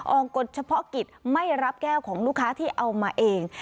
กฎเฉพาะกิจไม่รับแก้วของลูกค้าที่เอามาเอง